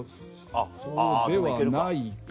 そうではないか。